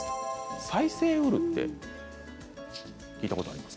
再生ウールです。